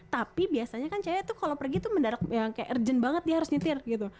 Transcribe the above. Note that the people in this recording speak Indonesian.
tapi biasanya kan cewe itu kalau pergi itu yang kayak urgent banget dia harus nyetir gitu